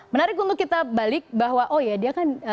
menarik untuk kita balik bahwa oh ya dia kan